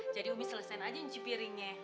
jadi umi selesain aja cuci piringnya